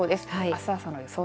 あす朝の予想